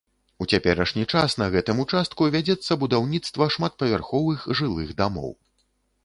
У цяперашні час на гэтым участку вядзецца будаўніцтва шматпавярховых жылых дамоў.